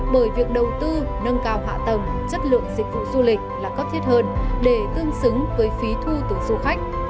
bởi việc đầu tư nâng cao hạ tầng chất lượng dịch vụ du lịch là cấp thiết hơn để tương xứng với phí thu từ du khách